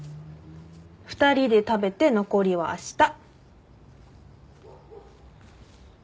２人で食べて残りはあした。